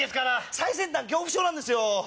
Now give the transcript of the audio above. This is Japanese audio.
最先端恐怖症なんですよ。